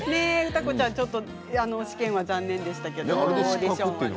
歌子ちゃん、ちょっと試験は残念でしたけど。